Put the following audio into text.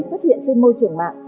xuất hiện trên môi trường mạng